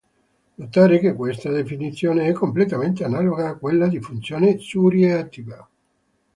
Notare che questa definizione è completamente analoga a quella di funzione suriettiva.